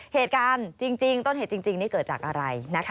เหตุการณ์จริงต้นเหตุจริงนี่เกิดจากอะไรนะคะ